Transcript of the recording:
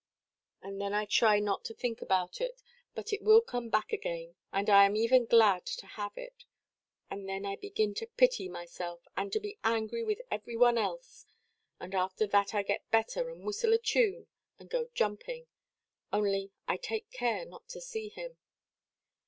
And then I try not to think of it, but it will come back again, and I am even glad to have it. And then I begin to pity myself, and to be angry with every one else; and after that I get better and whistle a tune, and go jumping. Only I take care not to see him."